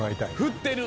振ってる！